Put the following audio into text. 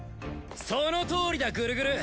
そのとおりだグルグル！